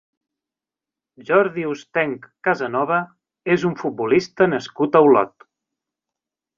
Jordi Hostench Casanova és un futbolista nascut a Olot.